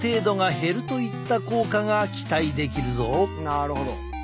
なるほど。